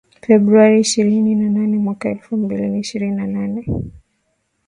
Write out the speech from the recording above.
Februari ishirini na nane mwaka elfu mbili na ishirini na nane